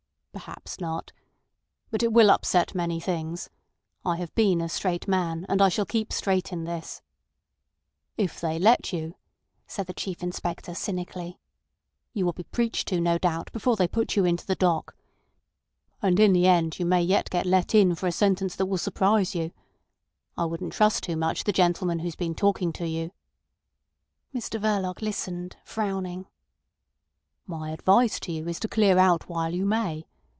"Perhaps not. But it will upset many things. I have been a straight man, and I shall keep straight in this—" "If they let you," said the Chief Inspector cynically. "You will be preached to, no doubt, before they put you into the dock. And in the end you may yet get let in for a sentence that will surprise you. I wouldn't trust too much the gentleman who's been talking to you." Mr Verloc listened, frowning. "My advice to you is to clear out while you may.